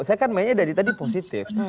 saya kan mainnya dari tadi positif